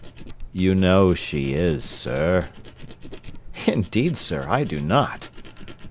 'You know she is, sir.' 'Indeed, sir, I do not.'